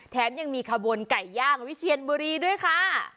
แถมยังมีขบวนไก่ย่างวิเชียนบุรีด้วยค่ะ